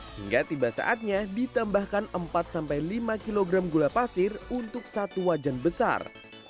hingga tiba saatnya ditambahkan empat sampai lima kilogram gula pasir untuk satu wajan besar